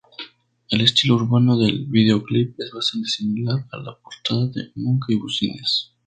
El estilo urbano del videoclip es bastante similar a la portada de Monkey Business.